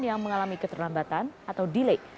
yang mengalami keterlambatan atau delay